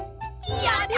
やった！